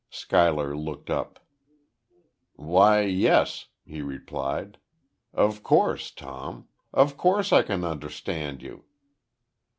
Schuyler looked up. "Why, yes," he replied. "Of course, Tom. Of course I can understand you."